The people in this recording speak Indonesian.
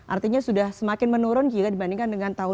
artinya sudah semakin menurun jika dibandingkan dengan tahun dua ribu dua